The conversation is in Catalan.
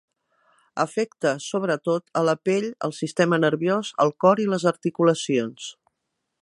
Afecta, sobretot, a la pell, el sistema nerviós, el cor i les articulacions.